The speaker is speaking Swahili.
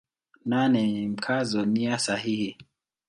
Nane ni Mkazo nia sahihi.